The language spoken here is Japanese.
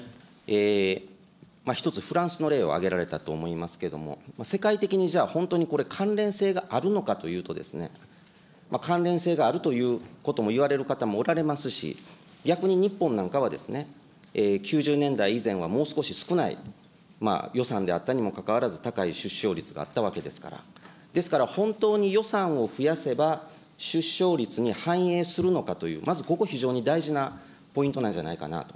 １つフランスの例を挙げられたと思いますけれども、世界的にじゃあ、本当にこれ、関連性があるのかというとですね、関連性があるということも言われる方もおられますし、逆に日本なんかは、９０年代以前は、もう少し少ない予算であったにもかかわらず、高い出生率があったわけですから、ですから、本当に予算を増やせば、出生率に反映するのかという、まずここ、非常に大事なポイントなんじゃないかなと。